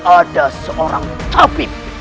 ada seorang tapib